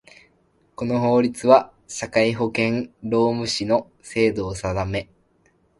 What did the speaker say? この法律は、社会保険労務士の制度を定め